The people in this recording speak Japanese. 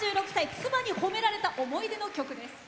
妻に褒められた思い出の曲です。